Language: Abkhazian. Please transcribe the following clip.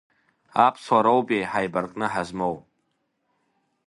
Аԥсуароупеи ҳаибаркны ҳазмоу!